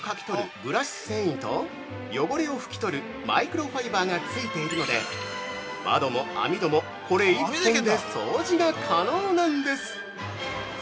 ブラシ繊維と汚れを拭き取るマイクロファイバーがついているので窓も網戸もこれ一本で掃除が可能なんです！